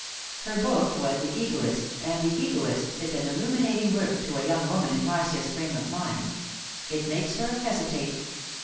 Her book was the Egoist, and the Egoist is an illuminating work to a young woman in Marcia's frame of mind. It makes her hesitate.